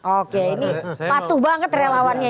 oke ini patuh banget relawannya